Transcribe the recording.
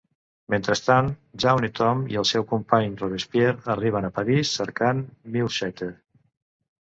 Mentrestant, Jaune Tom i el seu company Robespierre arriben a París, cercant Mewsette.